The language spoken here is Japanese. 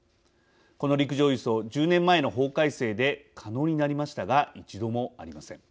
この陸上輸送１０年前の法改正で可能になりましたが一度もありません。